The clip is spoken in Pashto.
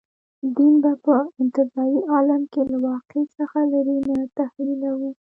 دین به په انتزاعي عالم کې له واقع څخه لرې نه تحلیلوو.